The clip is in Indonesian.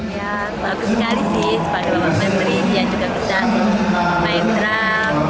ya bagus sekali sih sebagai menteri dia juga bisa main drum